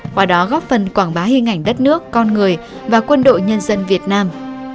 qua đó góp phần quảng bá hình ảnh đất nước con người và quân đội nhân dân việt nam